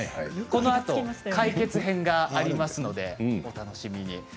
このあと解決編がありますのでお楽しみに。